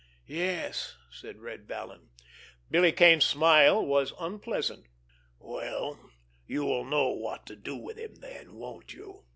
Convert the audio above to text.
"Yes," said Red Vallon. Billy Kane's smile was unpleasant. "Well, you'll know what to do with him then, won't you?"